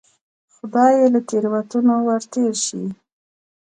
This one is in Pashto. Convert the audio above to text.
خدای یې له تېروتنو ورتېر شي.